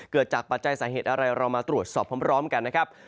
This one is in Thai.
เกิดจากปัจจัยสาเหตุอะไรเรามาตรวจสอบพร้อมกันนะครับ